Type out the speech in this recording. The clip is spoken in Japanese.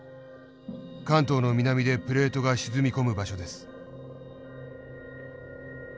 関東の南でプレートが沈み込む場所です。